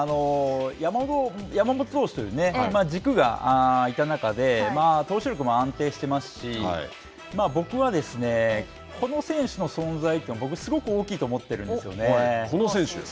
山本投手という軸がいた中で、投手力も安定していますし、僕はこの選手の存在というのが僕、すごく大きいと思っているんですよね。